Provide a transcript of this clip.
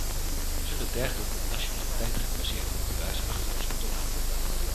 We zullen dergelijk op nationaliteit gebaseerd onderwijs achter ons moeten laten.